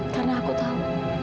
karena aku tahu